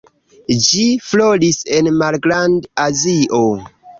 Ĝi floris en Malgrand-Azio.